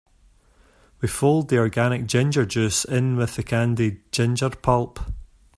We fold the organic ginger juice in with the candied ginger pulp.